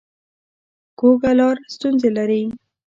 کوږه لار ستونزې لري